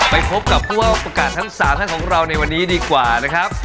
ไปพบกับผู้ว่าประกาศทั้ง๓ท่านของเราในวันนี้ดีกว่านะครับ